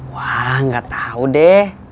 wah gak tau deh